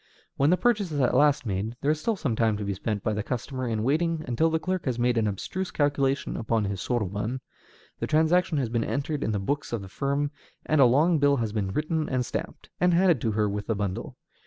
When the purchase is at last made, there is still some time to be spent by the customer in waiting until the clerk has made an abstruse calculation upon his soroban, the transaction has been entered in the books of the firm, and a long bill has been written and stamped, and handed to her with the bundle.